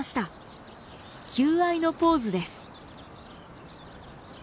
求愛のポーズです。